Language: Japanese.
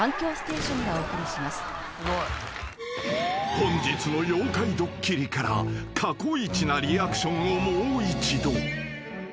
［本日の妖怪ドッキリから過去一なリアクションをもう一度］